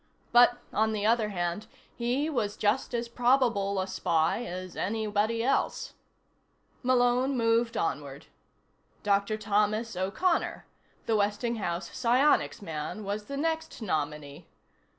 But, on the other hand, he was just as probable a spy as anybody else. Malone moved onward. Dr. Thomas O'Connor, the Westinghouse psionics man, was the next nominee.